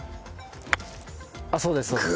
そうですそうです。